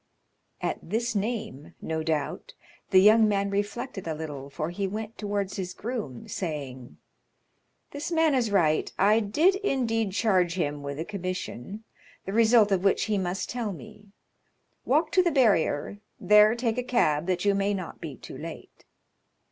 At this name, no doubt, the young man reflected a little, for he went towards his groom, saying: "This man is right; I did indeed charge him with a commission, the result of which he must tell me; walk to the barrier, there take a cab, that you may not be too late."